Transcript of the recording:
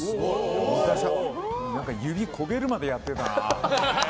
昔は指焦げるまでやってたな。